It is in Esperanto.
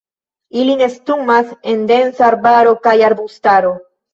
Ili nestumas en densa arbaro kaj arbustaro.